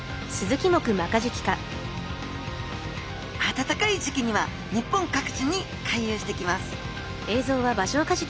暖かい時期には日本各地に回遊してきます